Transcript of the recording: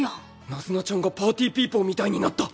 ナズナちゃんがパーティーピーポーみたいになった。